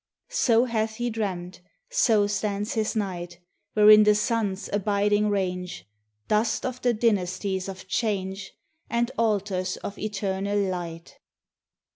So hath He dreamt. So stands His night, Wherein the suns abiding range, Dust of the dynasties of change, And altars of eternal light.